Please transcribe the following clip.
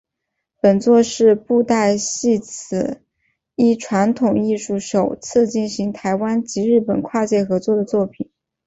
本作是布袋戏此一传统艺术首次进行台湾及日本跨界合作的作品。